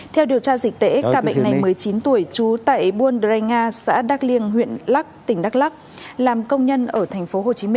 theo điều tra dịch tễ ca bệnh này một mươi chín tuổi trú tại buôn drey nga xã đắk liêng huyện lắc tỉnh đắk lắc làm công nhân ở tp hcm